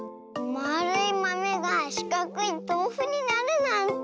まあるいまめがしかくいとうふになるなんて。